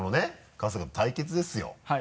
春日と対決ですよはい。